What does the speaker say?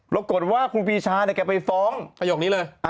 รกกฎว่าครูปีชาแกไปฟ้องประโยคนี้เลย